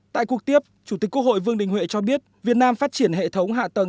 tại cuộc tiếp chủ tịch quốc hội vương đình huệ cho biết việt nam phát triển hệ thống hạ tầng